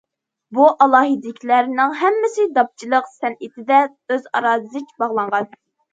بۇ ئالاھىدىلىكلەرنىڭ ھەممىسى داپچىلىق سەنئىتىدە ئۆزئارا زىچ باغلانغان.